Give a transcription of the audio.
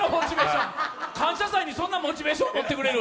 「感謝祭」にそんなモチベーション持ってくれる？